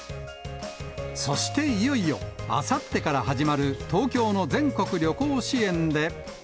そしていよいよ、あさってから始まる東京の全国旅行支援で。